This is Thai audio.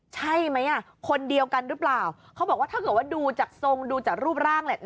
ใช่ไหมอ่ะคนเดียวกันหรือเปล่าเขาบอกว่าถ้าเกิดว่าดูจากทรงดูจากรูปร่างเนี่ย